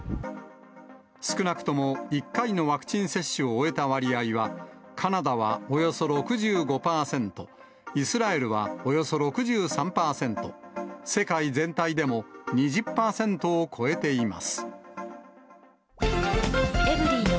少なくとも１回のワクチン接種を終えた割合は、カナダはおよそ６５％、イスラエルはおよそ６３％、世界全体でも２０％を超えています。